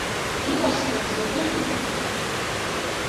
Иҟасҵаз закәызеи?